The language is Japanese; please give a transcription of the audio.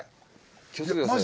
気を付けてくださいよ。